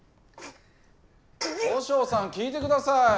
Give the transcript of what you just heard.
・和尚さん聞いてください。